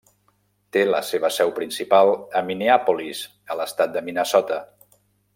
Té la seva seu principal a Minneapolis, a l'estat de Minnesota.